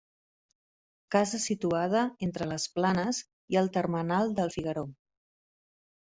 Casa situada entre les Planes i el termenal del Figueró.